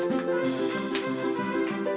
eh gigi gue sedang buang